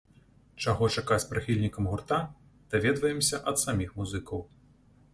Чаго чакаць прыхільнікам гурта, даведваемся ад саміх музыкаў.